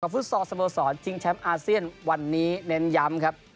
ฟุตซอลสโมสรชิงแชมป์อาเซียนวันนี้เน้นย้ำครับ